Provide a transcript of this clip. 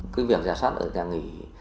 cứ việc giả soát ở nhà nghỉ